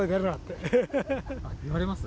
言われます？